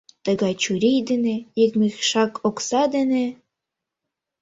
Тыгай чурий дене, ик мешак окса дене...